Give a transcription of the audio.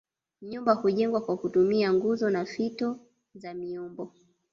Nyumba hujengwa kwa kutumia nguzo na fito za miombo